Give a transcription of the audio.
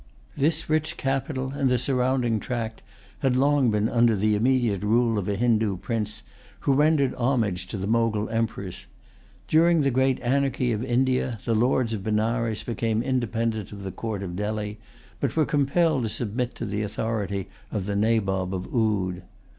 This rich capital, and the surrounding tract, had long been under the immediate rule of a Hindoo Prince, who rendered homage to the Mogul emperors. During the great anarchy of India, the lords of Benares became independent of the court of Delhi, but were compelled to submit to the authority of the Nabob of Oude.